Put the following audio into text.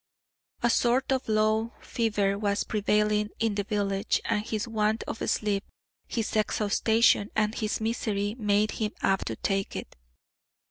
A sort of low fever was prevailing in the village, and his want of sleep, his exhaustion, and his misery, made him apt to take it.